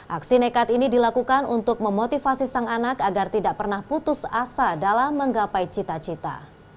aksi nekat ini dilakukan untuk memotivasi sang anak agar tidak pernah putus asa dalam menggapai cita cita